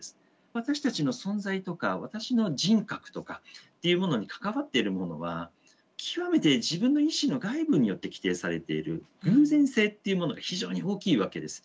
私たちの存在とか私の人格とかっていうものに関わっているものは極めて自分の意思の外部によって規定されている偶然性っていうものが非常に大きいわけです。